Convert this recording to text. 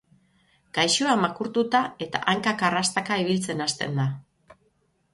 Gaixoa makurtuta eta hankak arrastaka ibiltzen hasten da.